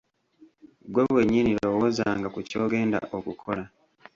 Ggwe wennyini lowoozanga ku ky'ogenda okukola.